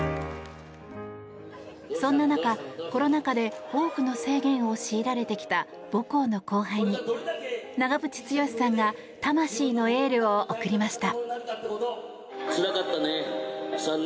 そんな中、コロナ禍で多くの制限を強いられてきた母校の後輩に長渕剛さんが魂のエールを送りました。